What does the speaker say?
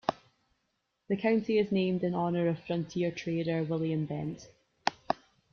The county is named in honor of frontier trader William Bent.